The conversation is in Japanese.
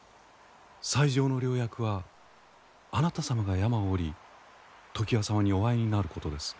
最上の良薬はあなた様が山を下り常磐様にお会いになることです。